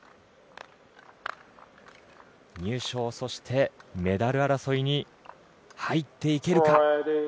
入賞、そしてメダル争いに入っていけるか。